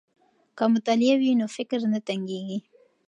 که مطالعه وي نو فکر نه تنګیږي.